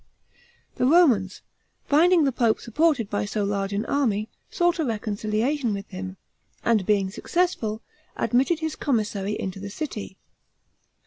The Romans, finding the pope supported by so large an army, sought a reconciliation with him, and being successful, admitted his commissary into the city.